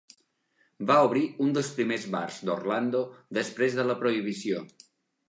Va obrir un dels primers bars d'Orlando després de la Prohibició.